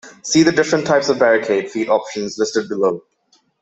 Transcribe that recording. See the different types of barricade feet options listed below.